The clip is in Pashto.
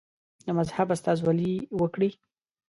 د مذهب استازولي وکړي.